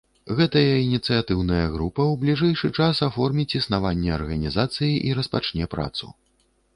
Гэтая ініцыятыўная група ў бліжэйшы час аформіць існаванне арганізацыі і распачне працу.